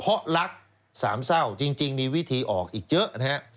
เพราะรักสามเศร้าจริงมีวิธีออกอีกเยอะนะฮะ